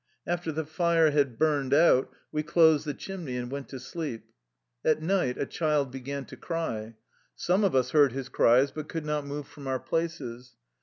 After the fire had burned out, we 'closed the chimney .and went to sleep. At night a child began to cry. Some of us heard his cries, but could not move from our places.